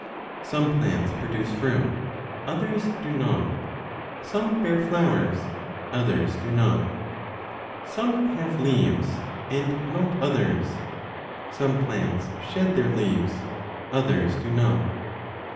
Some plants produce fruit, others do not ; some bear flowers, others do not ; some have leaves and not others ; some plants shed their leaves, others do not.